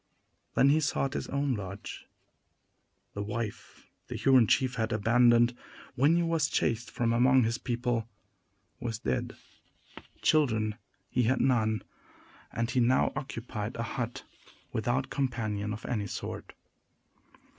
Then he sought his own lodge. The wife the Huron chief had abandoned, when he was chased from among his people, was dead. Children he had none; and he now occupied a hut, without companion of any sort.